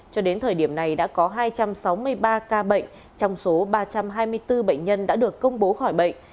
cho đến thời điểm này đã có hai trăm sáu mươi ba ca bệnh trong số ba trăm hai mươi bốn bệnh nhân đã được công bố khỏi bệnh